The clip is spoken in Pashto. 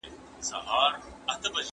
صدقه د انسان په اخرت کي لویه پانګه ده.